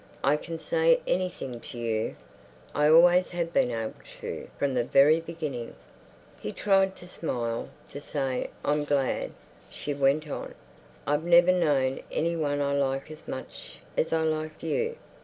"I can say anything to you. I always have been able to from the very beginning." He tried to smile, to say "I'm glad." She went on. "I've never known anyone I like as much as I like you.